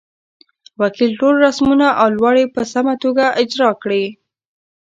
وکیل ټول رسمونه او لوړې په سمه توګه اجرا کړې.